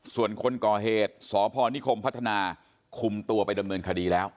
ส่วนคนก่อเหตุสพนิคมพัฒนาคุมตัวไปดำเนินคดีแล้ว